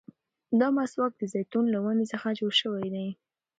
دا مسواک د زيتون له ونې څخه جوړ شوی دی.